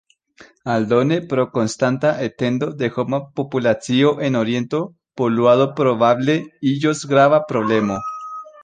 Aldone, pro konstanta etendo de homa populacio en Oriento, poluado probable iĝos grava problemo.